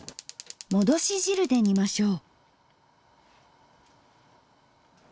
もどし汁で煮ましょう。